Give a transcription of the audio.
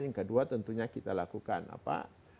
yang kedua tentunya kita lakukan apa